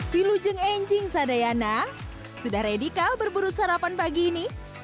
bilujeng enjing sadayana sudah ready kah berburu sarapan pagi ini